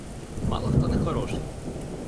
Мало хто не хороший?